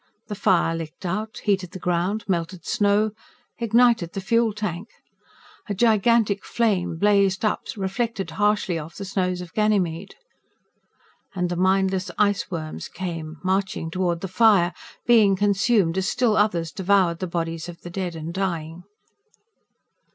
The fire licked out, heated the ground, melted snow ignited the fuel tank! A gigantic flame blazed up, reflected harshly off the snows of Ganymede. And the mindless iceworms came, marching toward the fire, being consumed, as still others devoured the bodies of the dead and dying.